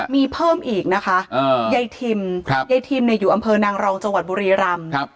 มีเพิ่มอีกนะคะยายทิมยายทิมอยู่อำเภอนางรองจังหวัดบุรีรำ